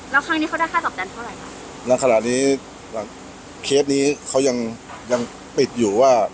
แล้วครั้งนี้เขาได้ค่าตอบแทนเท่าไรแล้วขณะนี้เขายังยังปิดอยู่ว่า